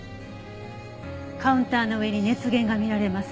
カウンターの上に熱源が見られます。